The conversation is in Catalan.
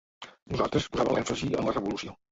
Nosaltres posàvem l’èmfasi en la revolució.